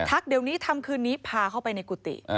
เดี๋ยวนี้ทำคืนนี้พาเข้าไปในกุฏิ